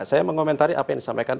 saya mengomentari apa yang disampaikan